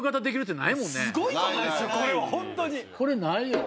これないよ。